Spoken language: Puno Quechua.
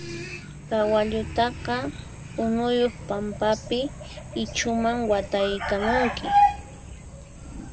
Kawallutaqa unuyuq pampapi ichhuman wataykamunki.